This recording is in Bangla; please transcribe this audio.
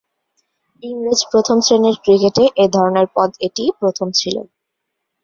ইংরেজ প্রথম-শ্রেণীর ক্রিকেটে এ ধরনের পদ এটিই প্রথম ছিল।